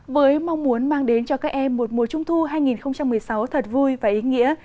với mong muốn mang đến cho các em một mùa trung thu hai nghìn một mươi sáu thật vui và ý nghĩa